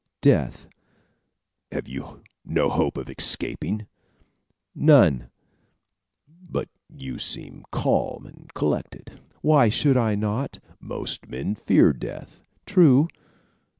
"Death." "Have you no hope of escaping?" "None." "But you seem calm and collected." "Why should I not?" "Most men fear death." "True."